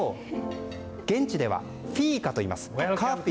現地ではフィーカといいます。